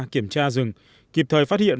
kiểm tra rừng kịp thời phát hiện